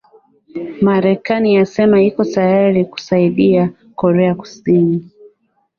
marekani yasema iko tayari kuisaidia korea kusini